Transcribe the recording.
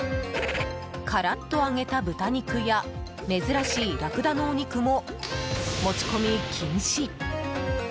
カラッと揚げた豚肉や珍しいラクダのお肉も持ち込み禁止。